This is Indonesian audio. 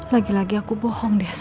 lagi lagi aku bohong deh sama papa